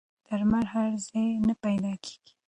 درمل هر ځای نه پیدا کېږي.